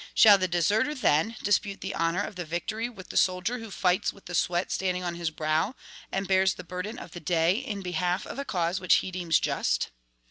Shall the deserter, then, dispute the honor of the victory with the soldier who fights with the sweat standing on his brow, and bears the burden of the day, in behalf of a cause which he deems just?"